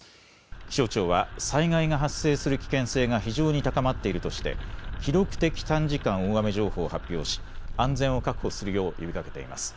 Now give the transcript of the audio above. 気象庁は災害が発生する危険性が非常に高まっているとして記録的短時間大雨情報を発表し安全を確保するよう呼びかけています。